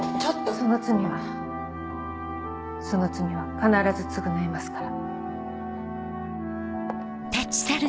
その罪はその罪は必ず償いますから。